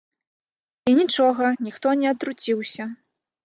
І нічога, ніхто не атруціўся.